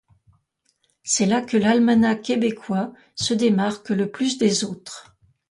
C'est là que l'almanach québécois se démarque le plus des autres.